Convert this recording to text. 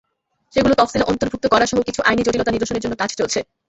সেগুলো তফসিলে অন্তর্ভুক্ত করাসহ কিছু আইনি জটিলতা নিরসনের জন্য কাজ চলছে।